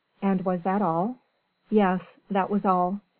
"And was that all?" "Yes. That was all."